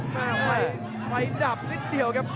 เมื่อไฟไฟดับนิดเดียวครับ